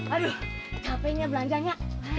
aduh capeknya belanja ya